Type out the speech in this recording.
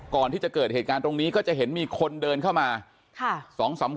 ก่อนที่จะเกิดเหตุการณ์ตรงนี้ก็จะเห็นมีคนเดินเข้ามา